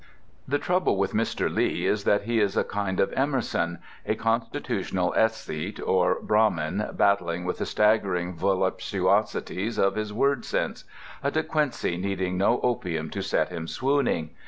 The trouble with Mr. Lee is that he is a kind of Emerson; a constitutional ascete or Brahmin, battling with the staggering voluptuosities of his word sense; a De Quincey needing no opium to set him swooning.